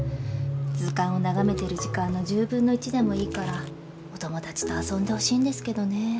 図鑑を眺めてる時間の１０分の１でもいいからお友達と遊んでほしいんですけどね。